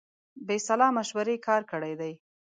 بې سلا مشورې کار کړی دی.